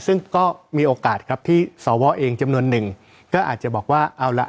ซึ่งก็มีโอกาสครับที่สวเองจำนวนหนึ่งก็อาจจะบอกว่าเอาละ